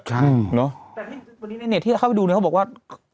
ใช่แต่วันนี้ในเน็ตที่เราเข้าไปดูเนี่ยเขาบอกว่า